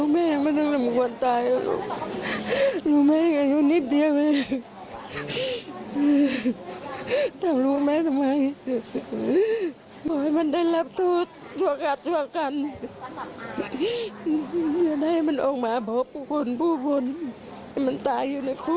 แม่บอกว่าอย่าได้ออกมาเจอผู้คนเขาอีกเลย